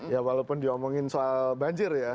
ya walaupun diomongin soal banjir ya